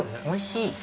おいしい。